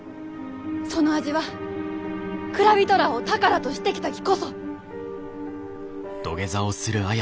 その味は蔵人らあを宝としてきたきこそ！